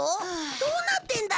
どうなってんだ？